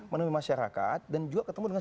menemui masyarakat dan juga ketemu dengan